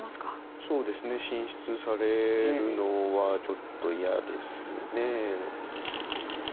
そうですね進出されるのはちょっと嫌です。